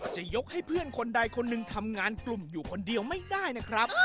จะยกให้เพื่อนคนใดคนหนึ่งทำงานกลุ่มอยู่คนเดียวไม่ได้นะครับ